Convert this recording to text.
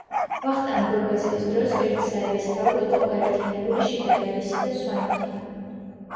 ვახტანგ გორგასლის დროს ერთ საერისთავოდ იყო გაერთიანებული შიდა ეგრისი და სვანეთი.